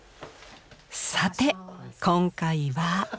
さて今回は。